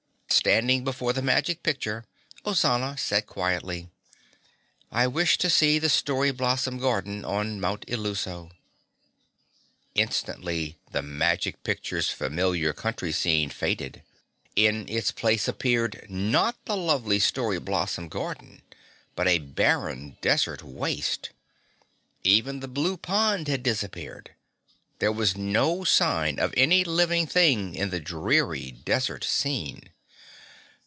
Standing before the Magic Picture, Ozana said quietly, "I wish to see the Story Blossom Garden on Mount Illuso." Instantly the Magic Picture's familiar country scene faded. In its place appeared, not the lovely Story Blossom Garden, but a barren, desert waste. Even the blue pond had disappeared. There was no sign of any living thing in the dreary, desert scene.